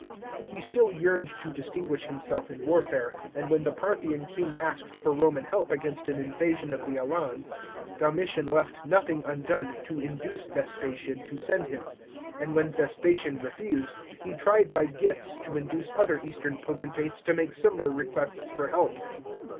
He still yearned to distinguish himself in warfare, and when the Parthian 31 A.1X ACCESSION OF DOM1TIAN. 385 king asked for Roman help against an invasion of the Alans, Domitian left nothing undone to induce Vespasian to send him; and when Vespasian refused, he tried by gifts to induce other eastern potentates to make similar requests for help.